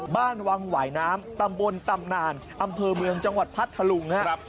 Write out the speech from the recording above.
บ้านวังหวายน้ำตำบลตำนานอำเภอเมืองจังหวัดพัทธลุงครับ